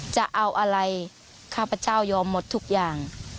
จะเอาอะไรข้าพเจ้ายอมหมดทุกอย่าง